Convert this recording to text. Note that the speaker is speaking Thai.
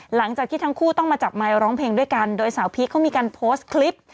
หลังจากที่ทั้งคู่ต้องมาจับไมค์ร้องเพลงด้วยกันโดยสาวพีคเขามีการโพสต์คลิป